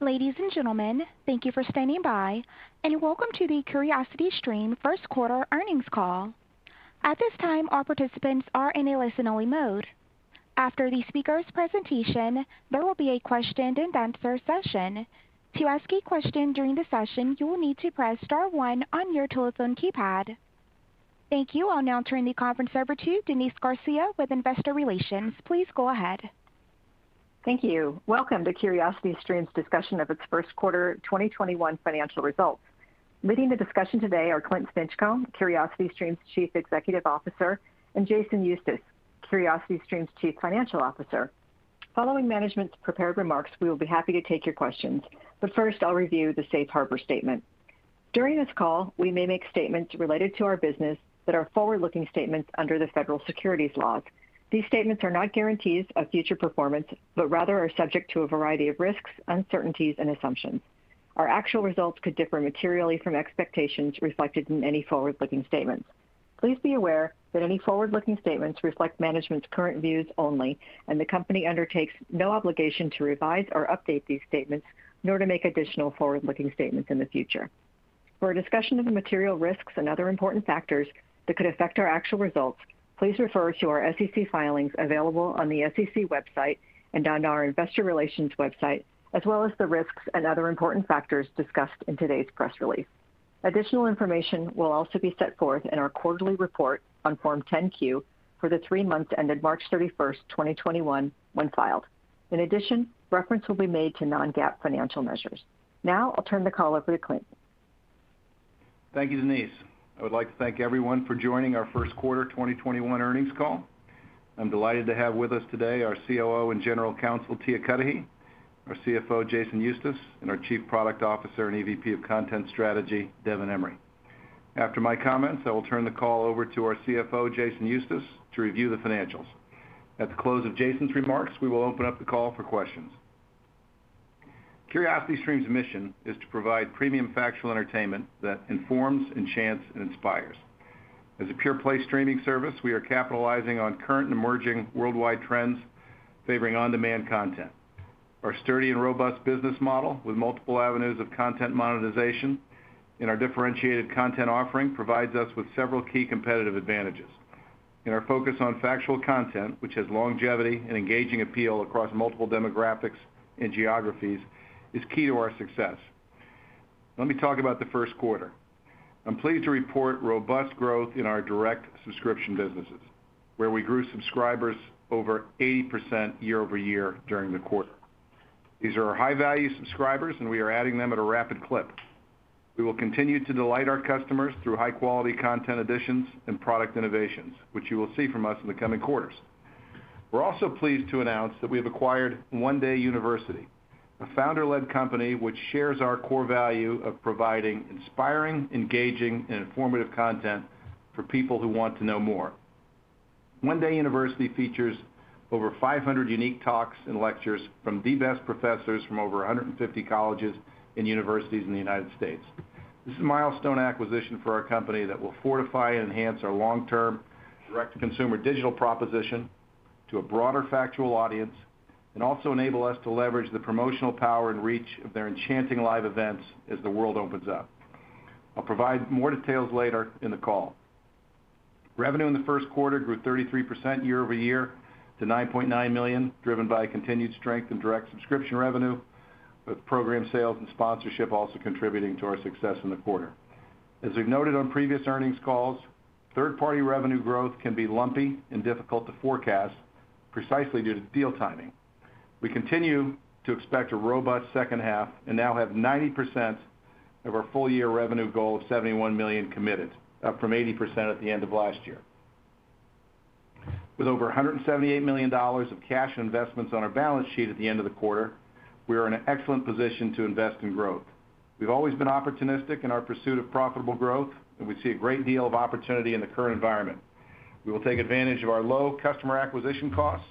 Ladies and gentlemen, thank you for standing by, and welcome to the Curiosity Stream First Quarter Earnings Call. At this time, all participants are in a listen-only mode. After the speaker's presentation, there will be a question-and-answer session. To ask a question during the session, you will need to press star one on your telephone keypad. Thank you. I'll now turn the conference over to Denise Garcia with Investor Relations. Please go ahead. Thank you. Welcome to Curiosity Stream's discussion of its first quarter 2021 financial results. Leading the discussion today are Clint Stinchcomb, Curiosity Stream's Chief Executive Officer, and Jason Eustace, Curiosity Stream's Chief Financial Officer. Following management's prepared remarks, we will be happy to take your questions. First, I'll review the safe harbor statement. During this call, we may make statements related to our business that are forward-looking statements under the federal securities laws. These statements are not guarantees of future performance, but rather are subject to a variety of risks, uncertainties, and assumptions. Our actual results could differ materially from expectations reflected in any forward-looking statements. Please be aware that any forward-looking statements reflect management's current views only, and the company undertakes no obligation to revise or update these statements, nor to make additional forward-looking statements in the future. For a discussion of the material risks and other important factors that could affect our actual results, please refer to our SEC filings available on the SEC website and on our investor relations website, as well as the risks and other important factors discussed in today's press release. Additional information will also be set forth in our quarterly report on Form 10-Q for the three months ended March 31st, 2021, when filed. In addition, reference will be made to non-GAAP financial measures. Now I'll turn the call over to Clint. Thank you, Denise. I would like to thank everyone for joining our first quarter 2021 earnings call. I'm delighted to have with us today our COO and General Counsel, Tia Cudahy, our CFO, Jason Eustace, and our Chief Product Officer and EVP of Content Strategy, Devin Emery. After my comments, I will turn the call over to our CFO, Jason Eustace, to review the financials. At the close of Jason's remarks, we will open up the call for questions. Curiosity Stream's mission is to provide premium factual entertainment that informs, enchants, and inspires. As a pure play streaming service, we are capitalizing on current and emerging worldwide trends favoring on-demand content. Our sturdy and robust business model with multiple avenues of content monetization and our differentiated content offering provides us with several key competitive advantages. Our focus on factual content, which has longevity and engaging appeal across multiple demographics and geographies, is key to our success. Let me talk about the first quarter. I'm pleased to report robust growth in our direct subscription businesses, where we grew subscribers over 80% year-over-year during the quarter. These are our high-value subscribers. We are adding them at a rapid clip. We will continue to delight our customers through high-quality content additions and product innovations, which you will see from us in the coming quarters. We're also pleased to announce that we have acquired One Day University, a founder-led company which shares our core value of providing inspiring, engaging, and informative content for people who want to know more. One Day University features over 500 unique talks and lectures from the best professors from over 150 colleges and universities in the United States. This is a milestone acquisition for our company that will fortify and enhance our long-term direct-to-consumer digital proposition to a broader factual audience. Also enable us to leverage the promotional power and reach of their enchanting live events as the world opens up. I'll provide more details later in the call. Revenue in the first quarter grew 33% year-over-year to $9.9 million, driven by continued strength in direct subscription revenue, with program sales and sponsorship also contributing to our success in the quarter. As we've noted on previous earnings calls, third-party revenue growth can be lumpy and difficult to forecast precisely due to deal timing. We continue to expect a robust second half and now have 90% of our full-year revenue goal of $71 million committed, up from 80% at the end of last year. With over $178 million of cash and investments on our balance sheet at the end of the quarter, we are in an excellent position to invest in growth. We've always been opportunistic in our pursuit of profitable growth, and we see a great deal of opportunity in the current environment. We will take advantage of our low customer acquisition costs,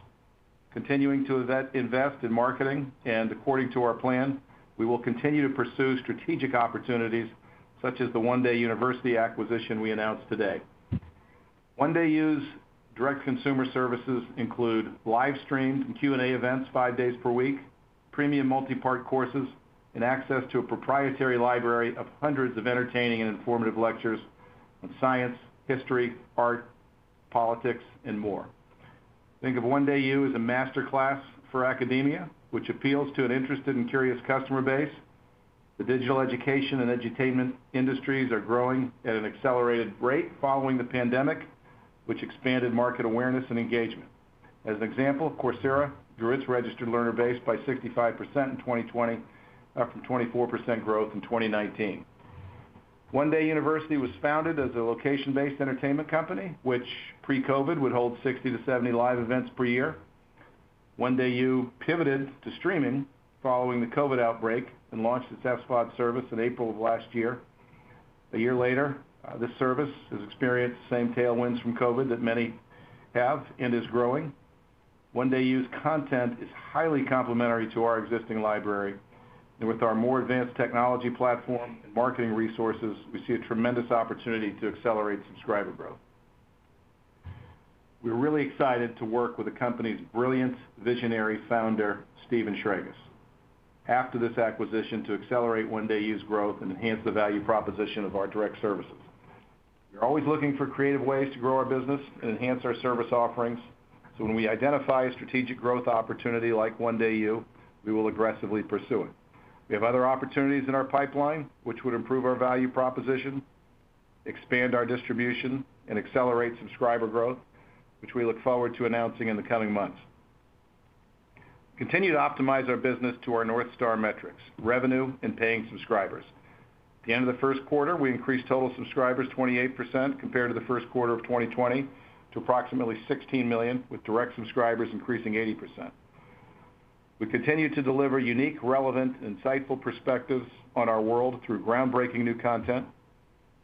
continuing to invest in marketing, and according to our plan, we will continue to pursue strategic opportunities such as the One Day University acquisition we announced today. One Day U's direct consumer services include live streams and Q&A events five days per week, premium multi-part courses, and access to a proprietary library of hundreds of entertaining and informative lectures on science, history, art, politics, and more. Think of One Day U as a master class for academia, which appeals to an interested and curious customer base. The digital education and entertainment industries are growing at an accelerated rate following the pandemic, which expanded market awareness and engagement. As an example, Coursera grew its registered learner base by 65% in 2020, up from 24% growth in 2019. One Day University was founded as a location-based entertainment company, which pre-COVID would hold 60 to 70 live events per year. One Day U pivoted to streaming following the COVID outbreak and launched its SVOD service in April of last year. A year later, this service has experienced the same tailwinds from COVID that many have and is growing. One Day U's content is highly complementary to our existing library, and with our more advanced technology platform and marketing resources, we see a tremendous opportunity to accelerate subscriber growth. We're really excited to work with the company's brilliant, visionary founder, Steven Schragis, after this acquisition, to accelerate One Day U's growth and enhance the value proposition of our direct services. We're always looking for creative ways to grow our business and enhance our service offerings, so when we identify a strategic growth opportunity like One Day U, we will aggressively pursue it. We have other opportunities in our pipeline which would improve our value proposition, expand our distribution, and accelerate subscriber growth, which we look forward to announcing in the coming months. Continue to optimize our business to our North Star metrics, revenue, and paying subscribers. At the end of the first quarter, we increased total subscribers 28% compared to the first quarter of 2020 to approximately 16 million, with direct subscribers increasing 80%. We continue to deliver unique, relevant, insightful perspectives on our world through groundbreaking new content.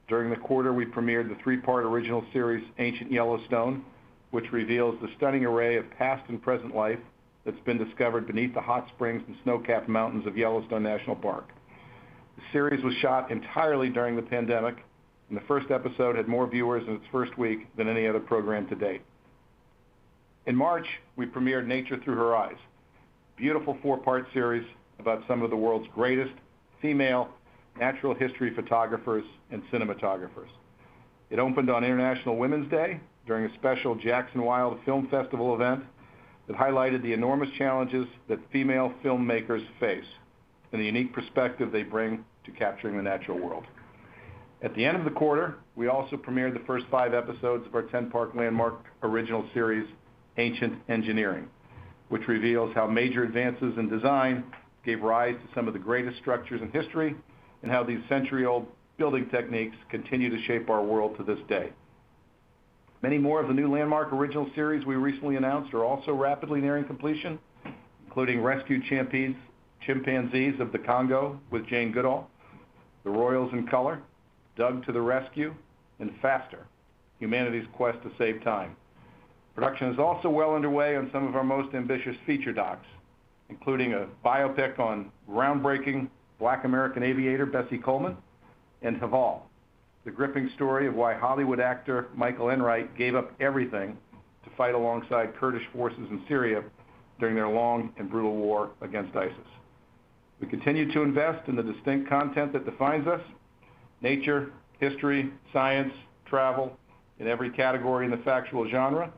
During the quarter, we premiered the three-part original series, "Ancient Yellowstone," which reveals the stunning array of past and present life that's been discovered beneath the hot springs and snow-capped mountains of Yellowstone National Park. The series was shot entirely during the pandemic, and the first episode had more viewers in its first week than any other program to date. In March, we premiered "Nature Through Her Eyes," a beautiful four-part series about some of the world's greatest female natural history photographers and cinematographers. It opened on International Women's Day during a special Jackson Wild Film Festival event that highlighted the enormous challenges that female filmmakers face and the unique perspective they bring to capturing the natural world. At the end of the quarter, we also premiered the first five episodes of our 10-part landmark original series, "Ancient Engineering," which reveals how major advances in design gave rise to some of the greatest structures in history and how these century-old building techniques continue to shape our world to this day. Many more of the new landmark original series we recently announced are also rapidly nearing completion, including "Rescued Chimpanzees of the Congo with Jane Goodall," "The Royals in Color," "Doug to the Rescue," and "Faster: Humanity's Quest to Save Time." Production is also well underway on some of our most ambitious feature docs, including a biopic on groundbreaking Black American aviator, Bessie Coleman, and "Heval," the gripping story of why Hollywood actor Michael Enright gave up everything to fight alongside Kurdish forces in Syria during their long and brutal war against ISIS. We continue to invest in the distinct content that defines us: nature, history, science, travel, in every category in the factual genre.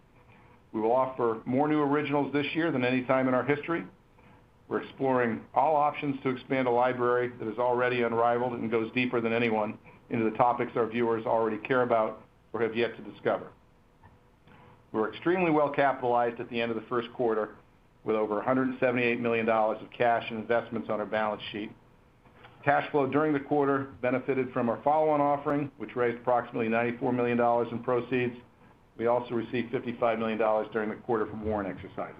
We will offer more new originals this year than any time in our history. We're exploring all options to expand a library that is already unrivaled and goes deeper than anyone into the topics our viewers already care about or have yet to discover. We're extremely well-capitalized at the end of the first quarter, with over $178 million of cash and investments on our balance sheet. Cash flow during the quarter benefited from our follow-on offering, which raised approximately $94 million in proceeds. We also received $55 million during the quarter from warrant exercises.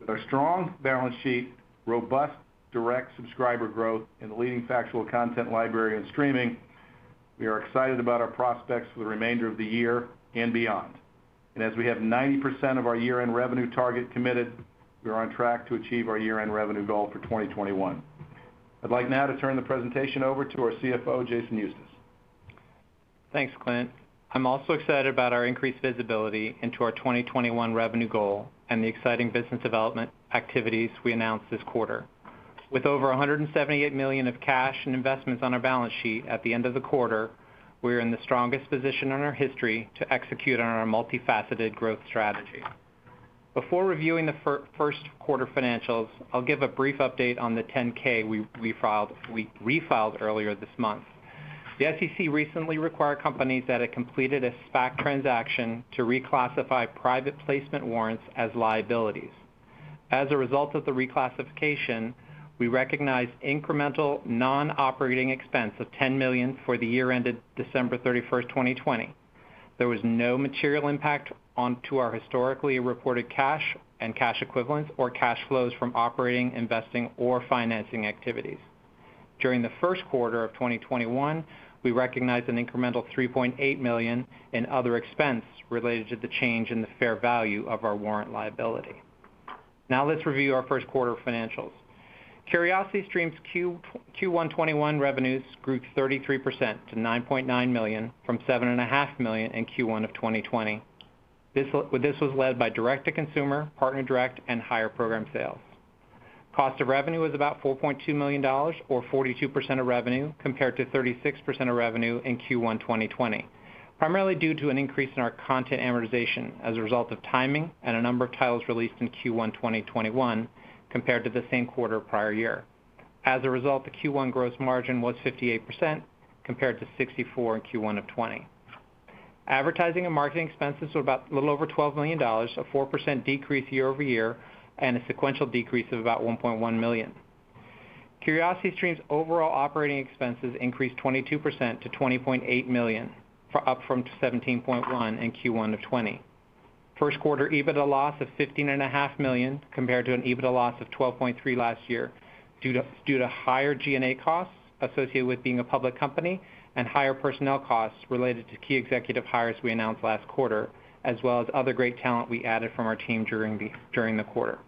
With our strong balance sheet, robust direct subscriber growth in the leading factual content library and streaming, we are excited about our prospects for the remainder of the year and beyond. As we have 90% of our year-end revenue target committed, we are on track to achieve our year-end revenue goal for 2021. I'd like now to turn the presentation over to our CFO, Jason Eustace. Thanks, Clint. I'm also excited about our increased visibility into our 2021 revenue goal and the exciting business development activities we announced this quarter. With over $178 million of cash and investments on our balance sheet at the end of the quarter, we are in the strongest position in our history to execute on our multifaceted growth strategy. Before reviewing the first quarter financials, I'll give a brief update on the 10-K we refiled earlier this month. The SEC recently required companies that had completed a SPAC transaction to reclassify private placement warrants as liabilities. As a result of the reclassification, we recognized incremental non-operating expense of $10 million for the year ended December 31, 2020. There was no material impact onto our historically reported cash and cash equivalents or cash flows from operating, investing, or financing activities. During the first quarter of 2021, we recognized an incremental $3.8 million in other expense related to the change in the fair value of our warrant liability. Now let's review our first quarter financials. Curiosity Stream's Q1 2021 revenues grew 33% to $9.9 million from $7.5 million in Q1 2020. This was led by direct-to-consumer, partner direct, and higher program sales. Cost of revenue was about $4.2 million, or 42% of revenue, compared to 36% of revenue in Q1 2020, primarily due to an increase in our content amortization as a result of timing and a number of titles released in Q1 2021 compared to the same quarter prior year. As a result, the Q1 gross margin was 58% compared to 64% in Q1 2020. Advertising and marketing expenses were about a little over $12 million, a 4% decrease year-over-year, and a sequential decrease of about $1.1 million. Curiosity Stream's overall operating expenses increased 22% to $20.8 million, up from $17.1 million in Q1 of 2020. First quarter EBITDA loss of $15.5 million compared to an EBITDA loss of $12.3 million last year due to higher G&A costs associated with being a public company and higher personnel costs related to key executive hires we announced last quarter, as well as other great talent we added from our team during the quarter.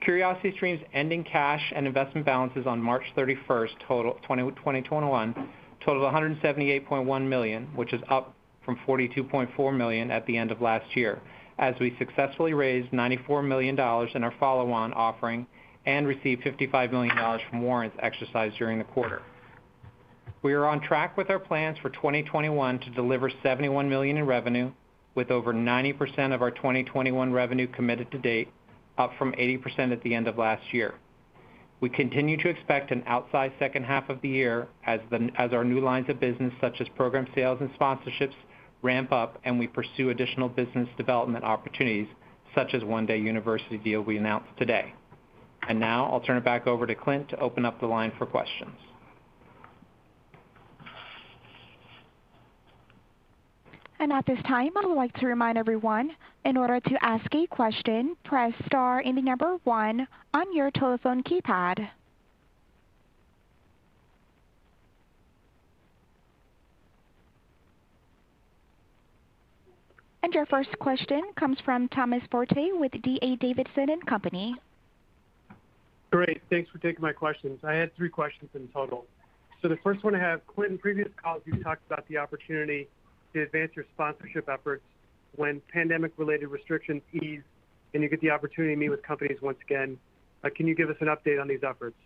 Curiosity Stream's ending cash and investment balances on March 31st, 2021 totaled $178.1 million, which is up from $42.4 million at the end of last year, as we successfully raised $94 million in our follow-on offering and received $55 million from warrants exercised during the quarter. We are on track with our plans for 2021 to deliver $71 million in revenue, with over 90% of our 2021 revenue committed to date, up from 80% at the end of last year. We continue to expect an outsized second half of the year as our new lines of business, such as program sales and sponsorships, ramp up and we pursue additional business development opportunities, such as One Day University deal we announced today. Now I'll turn it back over to Clint to open up the line for questions. At this time, I would like to remind everyone, in order to ask a question, press star and the number one on your telephone keypad. Your first question comes from Thomas Forte with D.A. Davidson & Co. Great. Thanks for taking my questions. I had three questions in total. The first one I have, Clint, in previous calls you talked about the opportunity to advance your sponsorship efforts when pandemic-related restrictions ease and you get the opportunity to meet with companies once again. Can you give us an update on these efforts?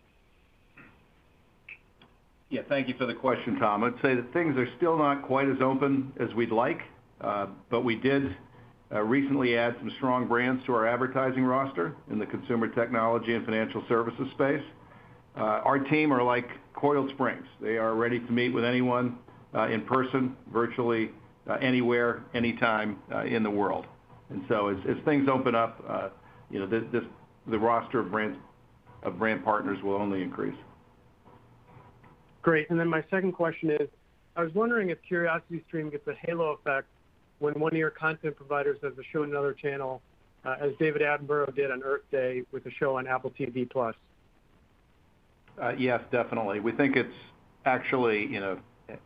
Yeah. Thank you for the question, Thomas. I'd say that things are still not quite as open as we'd like. We did recently add some strong brands to our advertising roster in the consumer technology and financial services space. Our team are like coiled springs. They are ready to meet with anyone in person, virtually, anywhere, anytime, in the world. As things open up, the roster of brand partners will only increase. Great. My second question is, I was wondering if Curiosity Stream gets a halo effect when one of your content providers has a show on another channel, as David Attenborough did on Earth Day with a show on Apple TV+. Yes, definitely. We think it's actually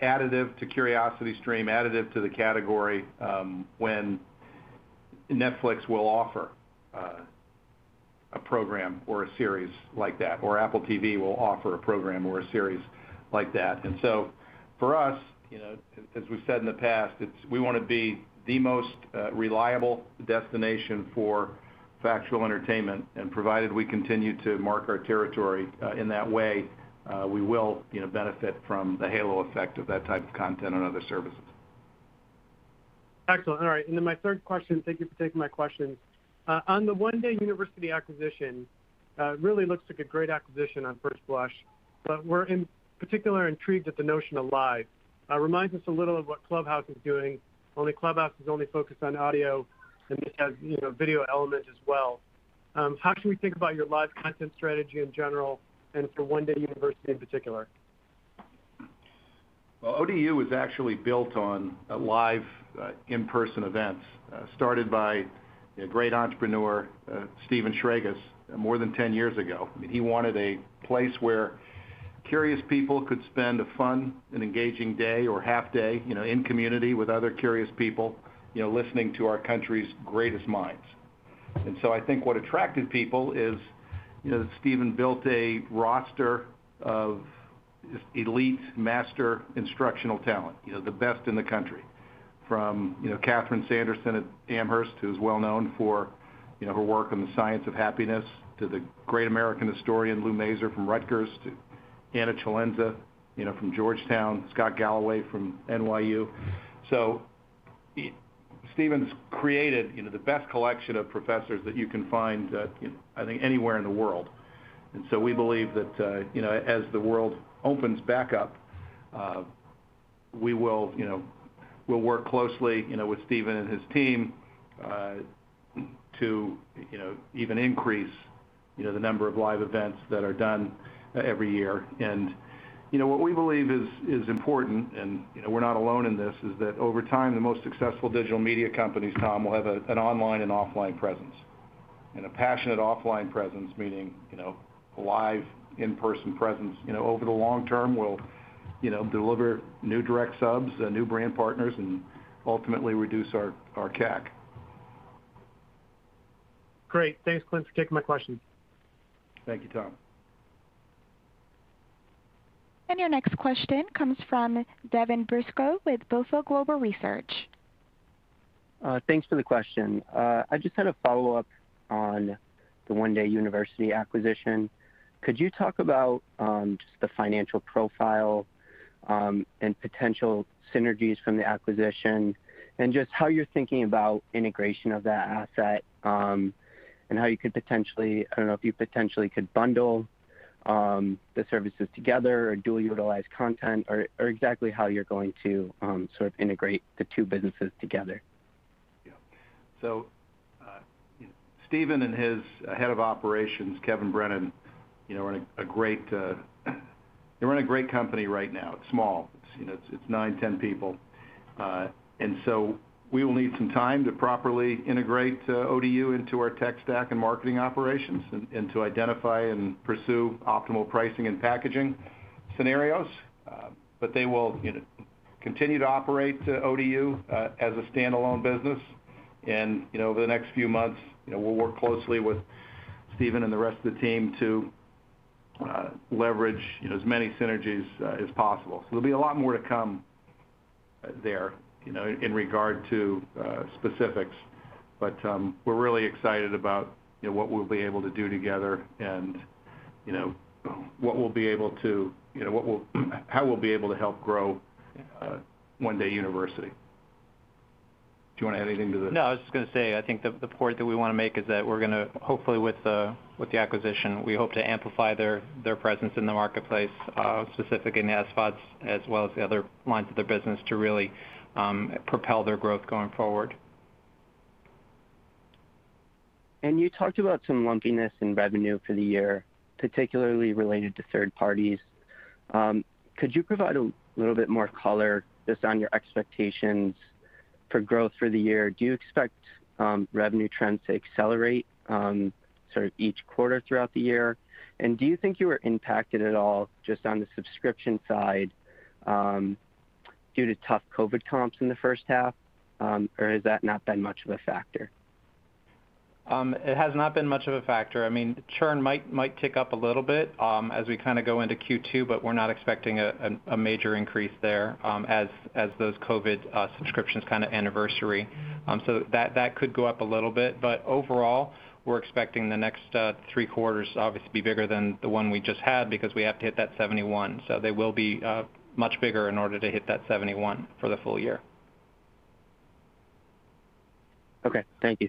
additive to Curiosity Stream, additive to the category, when Netflix will offer a program or a series like that, or Apple TV will offer a program or a series like that. For us, as we've said in the past, we want to be the most reliable destination for factual entertainment, and provided we continue to mark our territory in that way, we will benefit from the halo effect of that type of content on other services. Excellent. All right. My third question, thank you for taking my questions. On the One Day University acquisition, really looks like a great acquisition on first blush, but we're in particular intrigued at the notion of live. Reminds us a little of what Clubhouse is doing, only Clubhouse is only focused on audio and this has video element as well. How can we think about your live content strategy in general, and for One Day University in particular? Well, ODU is actually built on live in-person events, started by a great entrepreneur, Steven Schragis, more than 10 years ago. He wanted a place where curious people could spend a fun and engaging day or half day in community with other curious people, listening to our country's greatest minds. I think what attracted people is Steven built a roster of elite master instructional talent, the best in the country, from Catherine Sanderson at Amherst, who's well-known for her work on the science of happiness, to the great American historian Lou Masur from Rutgers, to Anna Celenza from Georgetown, Scott Galloway from NYU. Steven's created the best collection of professors that you can find, I think, anywhere in the world. We believe that as the world opens back up, we'll work closely with Steven and his team to even increase the number of live events that are done every year. What we believe is important, and we're not alone in this, is that over time, the most successful digital media companies, Tom, will have an online and offline presence. A passionate offline presence, meaning a live in-person presence, over the long term will deliver new direct subs, new brand partners, and ultimately reduce our CAC. Great. Thanks, Clint, for taking my questions. Thank you, Tom. Your next question comes from Devin Brisco with BofA Global Research. Thanks for the question. I just had a follow-up on the One Day University acquisition. Could you talk about just the financial profile and potential synergies from the acquisition, and just how you're thinking about integration of that asset and how you could potentially, I don't know if you potentially could bundle the services together or dually utilize content or exactly how you're going to integrate the two businesses together? Yeah. Steven and his head of operations, Kevin Brennan, they're in a great company right now. It's small. It's 9, 10 people. We will need some time to properly integrate ODU into our tech stack and marketing operations and to identify and pursue optimal pricing and packaging scenarios. They will continue to operate ODU as a standalone business. Over the next few months, we'll work closely with Steven and the rest of the team to leverage as many synergies as possible. There'll be a lot more to come there in regard to specifics. We're really excited about what we'll be able to do together and how we'll be able to help grow One Day University. Do you want to add anything to that? No, I was just going to say, I think the point that we want to make is that we're going to, hopefully, with the acquisition, we hope to amplify their presence in the marketplace, specifically in SVODs, as well as the other lines of their business to really propel their growth going forward. You talked about some lumpiness in revenue for the year, particularly related to third parties. Could you provide a little bit more color just on your expectations for growth for the year? Do you expect revenue trends to accelerate sort of each quarter throughout the year? Do you think you were impacted at all just on the subscription side due to tough COVID comps in the first half, or has that not been much of a factor? It has not been much of a factor. Churn might tick up a little bit as we go into Q2, but we're not expecting a major increase there as those COVID subscriptions kind of anniversary. That could go up a little bit, but overall, we're expecting the next three quarters obviously to be bigger than the one we just had because we have to hit that $71 million. They will be much bigger in order to hit that $71 million for the full year. Okay. Thank you.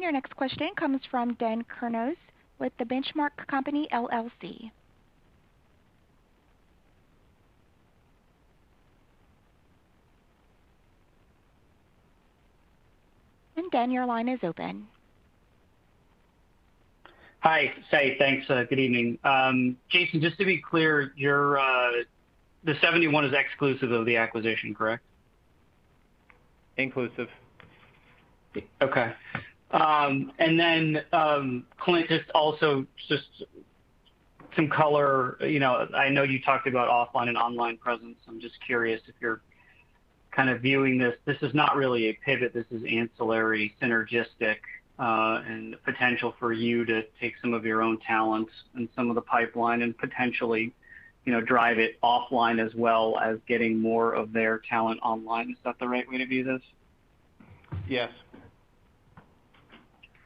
Your next question comes from Dan Kurnos with The Benchmark Company, LLC. Dan, your line is open. Hi. Say, thanks. Good evening. Jason, just to be clear, the $71 million is exclusive of the acquisition, correct? Inclusive. Okay. Clint, just also just some color. I know you talked about offline and online presence. I'm just curious if you're kind of viewing this is not really a pivot, this is ancillary, synergistic, and potential for you to take some of your own talents and some of the pipeline and potentially drive it offline as well as getting more of their talent online. Is that the right way to view this? Yes.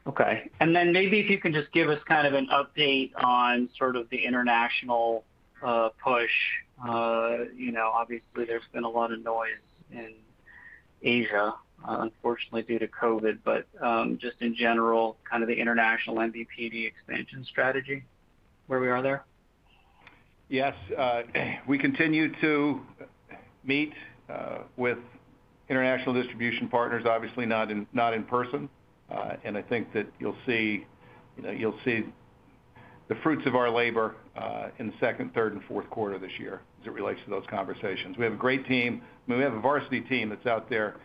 Okay. Maybe if you can just give us kind of an update on sort of the international push. Obviously, there's been a lot of noise in Asia, unfortunately due to COVID, but just in general, kind of the international MVPD expansion strategy, where we are there. Yes. We continue to meet with international distribution partners. Obviously not in person. I think that you'll see the fruits of our labor in the second, third, and fourth quarter this year as it relates to those conversations. We have a great team. We have a varsity team that's out there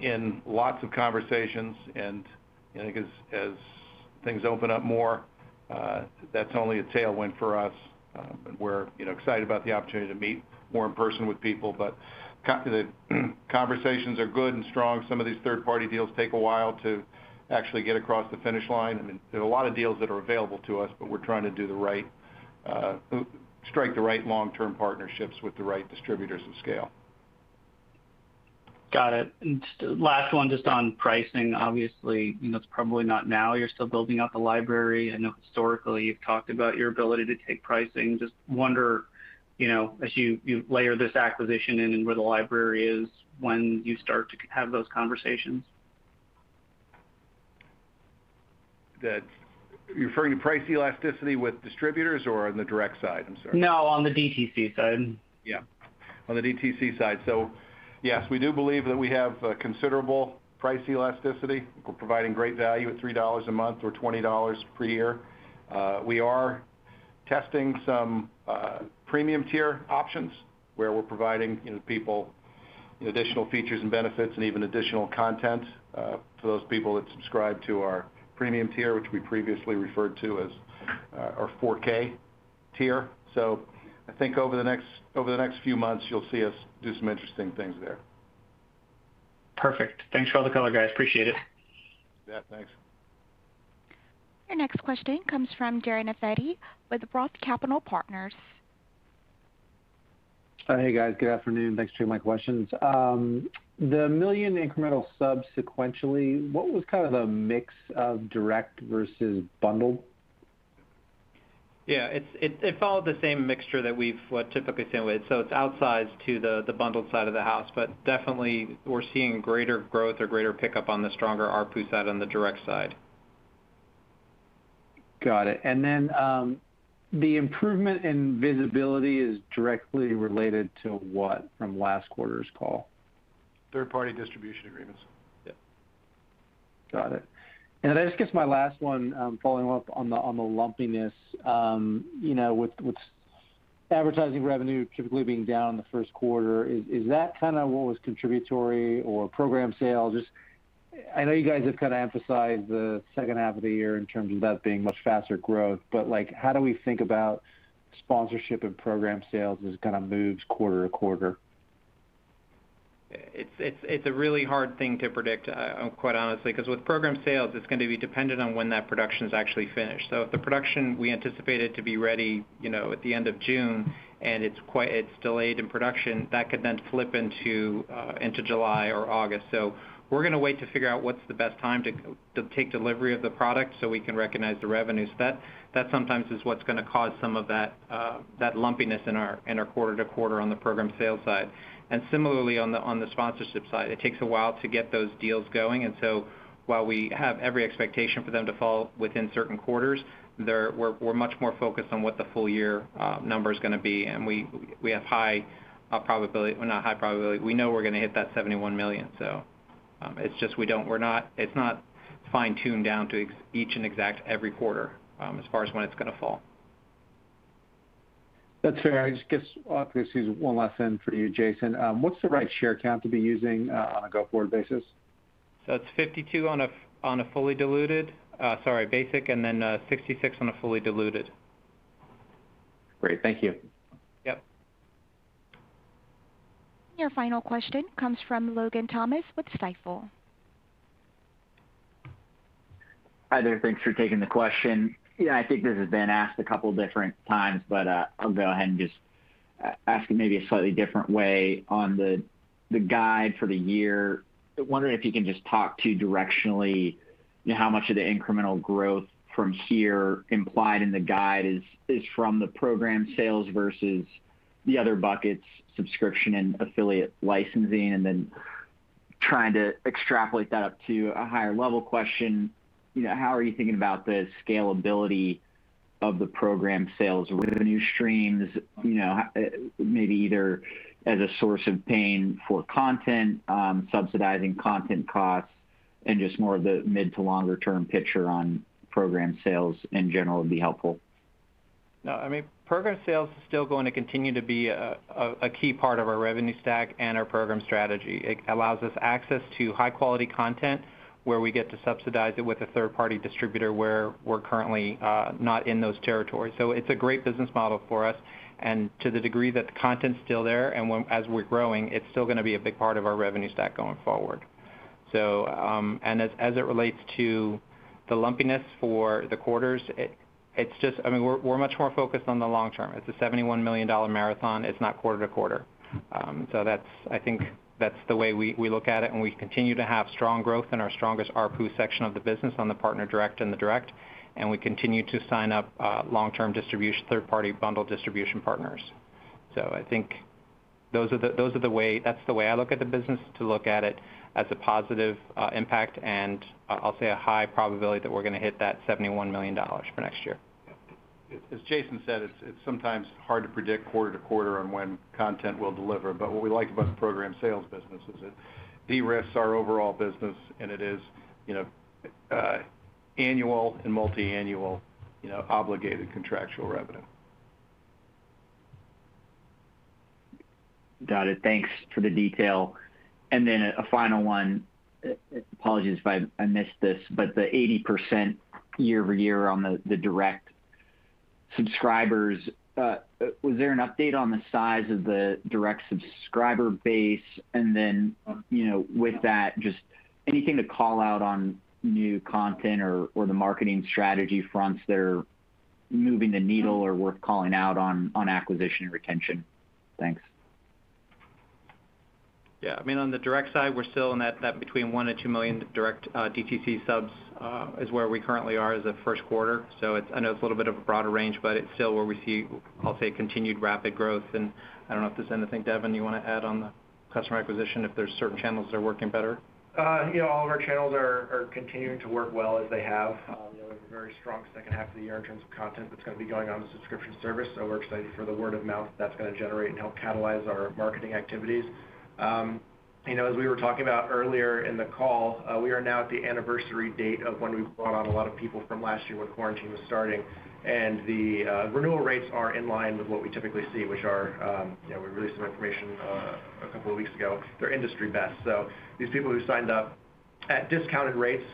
in lots of conversations, and I think as things open up more, that's only a tailwind for us. We're excited about the opportunity to meet more in person with people, but the conversations are good and strong. Some of these third-party deals take a while to actually get across the finish line. There are a lot of deals that are available to us, but we're trying to strike the right long-term partnerships with the right distributors of scale. Got it. Just last one, just on pricing. Obviously, it's probably not now. You're still building out the library. I know historically you've talked about your ability to take pricing. Just wonder, as you layer this acquisition in and where the library is, when you start to have those conversations? You're referring to price elasticity with distributors or on the direct side? I'm sorry. No, on the DTC side. Yeah. On the DTC side. Yes, we do believe that we have considerable price elasticity. We're providing great value at $3 a month or $20 per year. We are testing some premium tier options where we're providing people additional features and benefits and even additional content to those people that subscribe to our premium tier, which we previously referred to as our 4K tier. I think over the next few months, you'll see us do some interesting things there. Perfect. Thanks for all the color, guys. Appreciate it. Yeah, thanks. Your next question comes from Darren Aftahi with Roth Capital Partners. Hey, guys. Good afternoon. Thanks for taking my questions. The 1 million incremental subs sequentially, what was kind of the mix of direct versus bundled? Yeah. It followed the same mixture that we've typically seen with. It's outsized to the bundled side of the house, but definitely we're seeing greater growth or greater pickup on the stronger ARPU side on the direct side. Got it. Then, the improvement in visibility is directly related to what from last quarter's call? Third-party distribution agreements. Got it. I guess my last one, following up on the lumpiness, with advertising revenue typically being down in the first quarter, is that what was contributory or program sales? Just I know you guys have emphasized the second half of the year in terms of that being much faster growth. How do we think about sponsorship and program sales as it moves quarter to quarter? It's a really hard thing to predict, quite honestly, because with program sales, it's going to be dependent on when that production's actually finished. If the production, we anticipate it to be ready at the end of June and it's delayed in production, that could then flip into July or August. We're going to wait to figure out what's the best time to take delivery of the product so we can recognize the revenues. That sometimes is what's going to cause some of that lumpiness in our quarter to quarter on the program sales side. Similarly on the sponsorship side, it takes a while to get those deals going while we have every expectation for them to fall within certain quarters, we're much more focused on what the full year number's going to be and we have high probability, well, not high probability. We know we're going to hit that $71 million. It's not fine-tuned down to each and exact every quarter as far as when it's going to fall. That's fair. I just guess obviously there's one last thing for you, Jason. What's the right share count to be using on a go-forward basis? That's 52 on a basic, and then 66 on a fully diluted. Great. Thank you. Yep. Your final question comes from Logan Thomas with Stifel. Hi there. Thanks for taking the question. Yeah, I think this has been asked a couple different times, but I'll go ahead and just ask it maybe a slightly different way. On the guide for the year, I wonder if you can just talk to directionally how much of the incremental growth from here implied in the guide is from the program sales versus the other buckets, subscription and affiliate licensing and then trying to extrapolate that up to a higher-level question, how are you thinking about the scalability of the program sales revenue streams? Maybe either as a source of paying for content, subsidizing content costs, and just more of the mid to longer term picture on program sales in general would be helpful. Program sales is still going to continue to be a key part of our revenue stack and our program strategy. It allows us access to high-quality content where we get to subsidize it with a third-party distributor where we're currently not in those territories. It's a great business model for us and to the degree that the content's still there and as we're growing, it's still going to be a big part of our revenue stack going forward. As it relates to the lumpiness for the quarters, we're much more focused on the long term. It's a $71 million marathon. It's not quarter to quarter. I think that's the way we look at it and we continue to have strong growth in our strongest ARPU section of the business on the partner direct and the direct and we continue to sign up long-term distribution, third-party bundle distribution partners. I think that's the way I look at the business, to look at it as a positive impact and I'll say a high probability that we're going to hit that $71 million for next year. As Jason said, it's sometimes hard to predict quarter to quarter on when content will deliver but what we like about the program sales business is it de-risks our overall business and it is annual and multi-annual obligated contractual revenue. Got it. Thanks for the detail. A final one, apologies if I missed this, the 80% year-over-year on the direct subscribers, was there an update on the size of the direct subscriber base? With that, just anything to call out on new content or the marketing strategy fronts that are moving the needle or worth calling out on acquisition and retention? Thanks. Yeah. On the direct side, we're still in that between 1 million and 2 million direct DTC subs, is where we currently are as of first quarter. I know it's a little bit of a broader range, but it's still where we see, I'll say, continued rapid growth and I don't know if there's anything, Devin, you want to add on the customer acquisition if there's certain channels that are working better? All of our channels are continuing to work well as they have. With a very strong second half of the year in terms of content that's going to be going on the subscription service, so we're excited for the word of mouth that's going to generate and help catalyze our marketing activities. As we were talking about earlier in the call, we are now at the anniversary date of when we brought on a lot of people from last year when quarantine was starting and the renewal rates are in line with what we typically see, which are, we released some information a couple of weeks ago, they're industry best. These people who signed up at discounted rates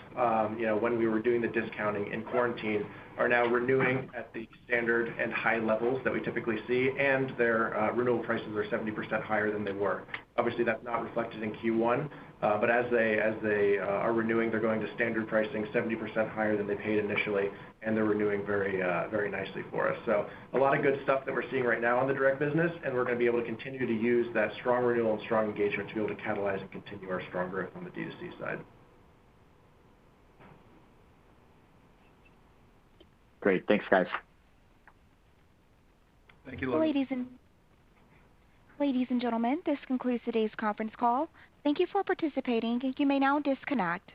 when we were doing the discounting in quarantine are now renewing at the standard and high levels that we typically see and their renewal prices are 70% higher than they were. Obviously, that's not reflected in Q1. As they are renewing, they're going to standard pricing, 70% higher than they paid initially and they're renewing very nicely for us. A lot of good stuff that we're seeing right now on the direct business and we're going to be able to continue to use that strong renewal and strong engagement to be able to catalyze and continue our strong growth on the D2C side. Great. Thanks, guys. Thank you, Logan. Ladies and gentlemen, this concludes today's conference call. Thank you for participating. You may now disconnect.